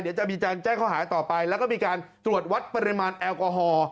เดี๋ยวจะมีการแจ้งข้อหาต่อไปแล้วก็มีการตรวจวัดปริมาณแอลกอฮอล์